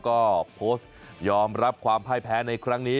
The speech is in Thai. ก็โพสต์ยอมรับความพ่ายแพ้ในครั้งนี้